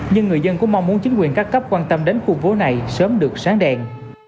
nhưng người dân cũng mong muốn chính quyền các cấp quan tâm đến khu phố này sớm được sáng đèn